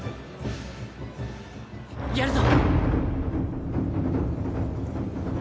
やるぞ。